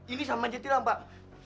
ini sama aja tilang pak